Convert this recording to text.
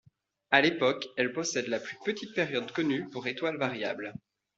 À l'époque, elle possède la plus petite période connue pour étoile variable.